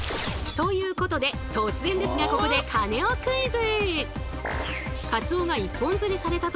ということで突然ですがここでカネオクイズ！